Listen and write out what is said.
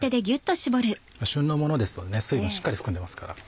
旬のものですので水分をしっかり含んでますから。